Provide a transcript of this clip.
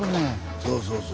そうそうそう。